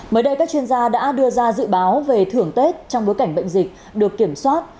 mới đây các chuyên gia đã đưa ra dự báo về thưởng tết trong bối cảnh bệnh dịch được kiểm soát